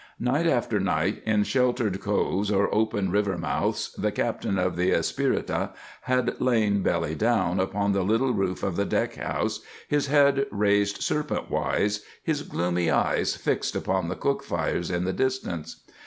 Night after night, in sheltered coves or open river mouths, the captain of the Espirita had lain, belly down, upon the little roof of the deck house, his head raised serpent wise, his gloomy eyes fixed upon the cook fires in the distance.